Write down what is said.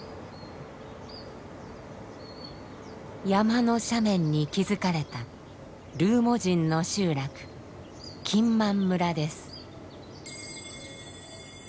山の斜面に築かれたルーモ人の集落金満村です。